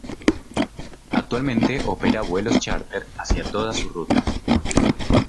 Actualmente, opera vuelos chárter hacía todas sus rutas.